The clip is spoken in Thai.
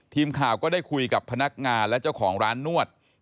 ทีมข่าวก็ได้คุยกับพนักงานและเจ้าของร้านนวด